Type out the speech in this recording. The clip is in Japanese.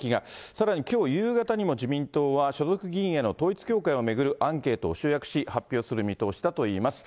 さらにきょう夕方にも、自民党は所属議員への統一教会を巡るアンケートを集約し、発表する見通しだといいます。